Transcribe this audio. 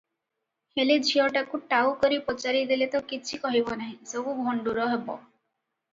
ହେଲେ, ଝିଅଟାକୁ ଟାଉକରି ପଚାରି ଦେଲେ ତ କିଛି କହିବ ନାହିଁ, ସବୁ ଭଣ୍ଡୁର ହେବ ।